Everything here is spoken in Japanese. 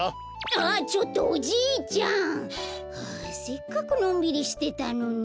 あっちょっとおじいちゃん！はあせっかくのんびりしてたのに。